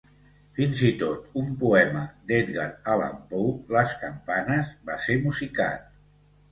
Fins i tot un poema d'Edgar Allan Poe, "Les campanes", va ser musicat.